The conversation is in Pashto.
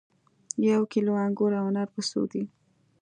یو کیلو انګور او انار په څو دي